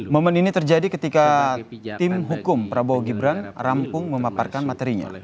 momen ini terjadi ketika tim hukum prabowo gibran rampung memaparkan materinya